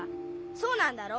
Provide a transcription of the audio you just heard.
そうなんだろ？